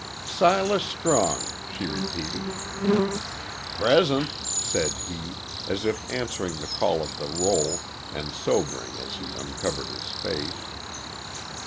"Silas Strong!" she repeated. "Present,"'said he, as if answering the call of the roll, and sobering as he uncovered his face.